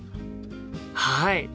はい！